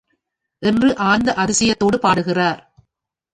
என்று ஆனந்த அதிசயத்தோடு பாடுகிறார்.